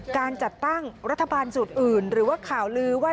การจัดตั้งรัฐบาลสูตรอื่นหรือว่าข่าวลือว่า